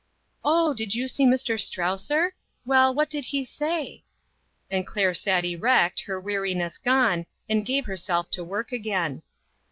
"Oh, did you see Mr. Strausser? Well, what did he say ?" And Claire sat erect, her weariness gone, and gave herself to work again.